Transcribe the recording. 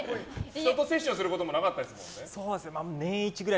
セッションすることもなかったですか？